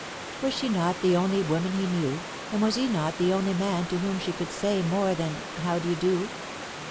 Was she not the only woman he knew, and was he not the only man to whom she could say more than "How do you do?"